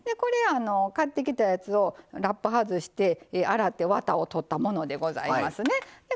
買ってきたやつをラップ外して洗ってワタを取ったものでございますね。